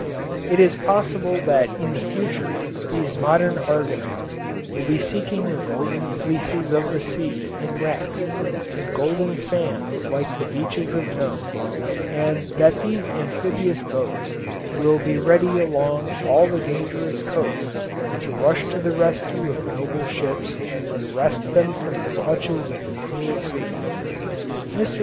It is possible that in the future these modern "argonauts" will be seeking the golden fleeces of the sea in wrecks, in golden sands like the beaches of Nome, and that these amphibious boats will be ready along all the dangerous coasts to rush to the rescue of noble ships and wrest them from the clutches of the cruel sea. Mr.